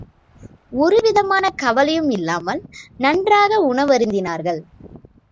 ஒருவிதமான கவலையும் இல்லாமல் நன்றாக உணவருந்தினார்கள்.